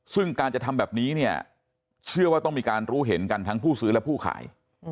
ซึ่งการจะทำแบบนี้เนี่ยเชื่อว่าต้องมีการรู้เห็นกันทั้งผู้ซื้อและผู้ขาย